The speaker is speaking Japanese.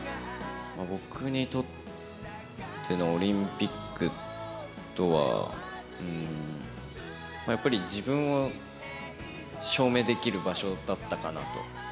僕にとってのオリンピックとは、やっぱり自分を証明できる場所だったかなと。